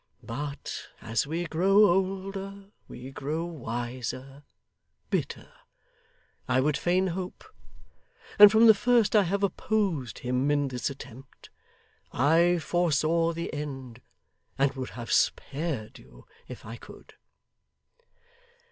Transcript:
But as we grow older, we grow wiser bitter, I would fain hope and from the first, I have opposed him in this attempt. I foresaw the end, and would have spared you, if I could.